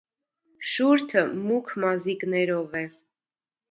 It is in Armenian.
Շուրթը մուգ մազիկներով է։